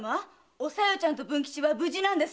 おさよちゃんと文吉は無事なんですね？